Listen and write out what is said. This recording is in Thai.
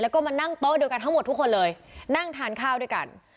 แล้วก็มานั่งโต๊ะเดียวกันทั้งหมดทุกคนเลยนั่งทานข้าวด้วยกัน